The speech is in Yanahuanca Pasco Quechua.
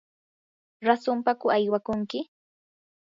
¿rasunpaku aywakunki?